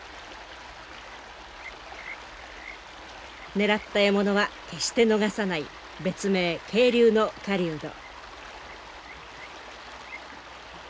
狙った獲物は決して逃さない別名渓流の狩人。